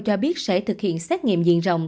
cho biết sẽ thực hiện xét nghiệm diện rộng